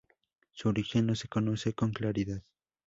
Su origen no se conoce con claridad.